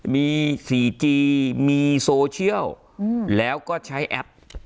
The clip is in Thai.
มี๔จีมีโซเชียลแล้วก็ใช้แอป